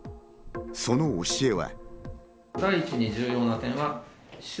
その教えは。